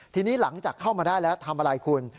ทีนี้หลังจากเข้ามาได้แล้วทำอะไรคุณ